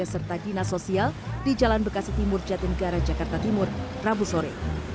serta dinas sosial di jalan bekasi timur jatinegara jakarta timur rabu sore